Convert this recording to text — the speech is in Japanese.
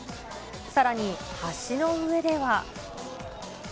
さらに、橋の上では。